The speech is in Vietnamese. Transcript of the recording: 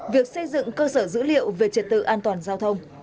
việc xây dựng cơ sở dữ liệu về trật tự an toàn giao thông